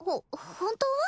本当は？